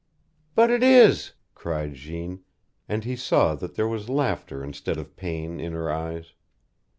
"But it is!" cried Jeanne, and he saw that there was laughter instead of pain in her eyes.